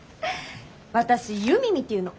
私「ユミミ」って言うの。